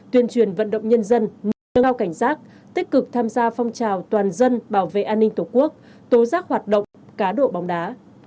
tuyên truyền vận động nhân dân nâng cao cảnh giác tích cực tham gia phong trào toàn dân bảo vệ an ninh tổ quốc tố giác hoạt động cá độ bóng đá